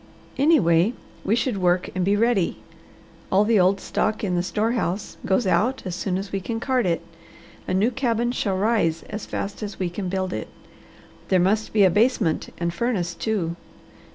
Anyway, we should work and be ready. All the old stock in the store house goes out as soon as we can cart it. A new cabin shall rise as fast as we can build it. There must be a basement and furnace, too.